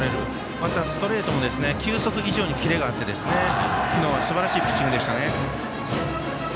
また、ストレートも球速以上にキレがあって昨日はすばらしいピッチングでしたね。